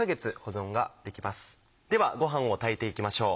ではごはんを炊いていきましょう。